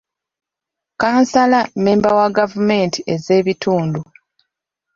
Kkansala mmemba wa gavumenti ez'ebitundu.